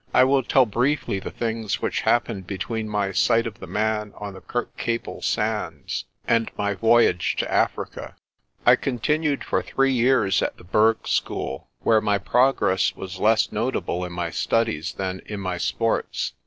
I will tell briefly the things which happened between my sight of the man on the Kirkcaple sands and my voyage to Africa. I continued for three years at the burgh school, where my progress was less notable in my studies than in my sports.